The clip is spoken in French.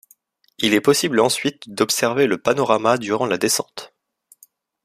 Il est possible ensuite d'observer le panorama durant la descente.